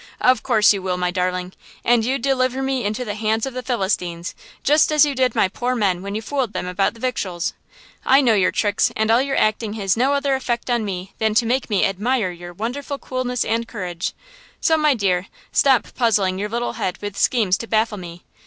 Of course you will, my darling! And you'd deliver me into the hands of the Philistines, just as you did my poor men when you fooled them about the victuals! I know your tricks and all your acting has no other effect on me than to make me admire your wonderful coolness and courage; so, my dear, stop puzzling your little head with schemes to baffle me!